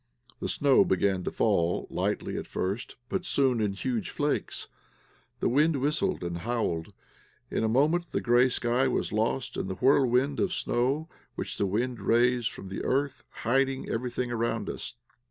The snow began to fall lightly at first, but soon in large flakes. The wind whistled and howled; in a moment the grey sky was lost in the whirlwind of snow which the wind raised from the earth, hiding everything around us.